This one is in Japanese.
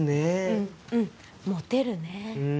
うんうんモテるね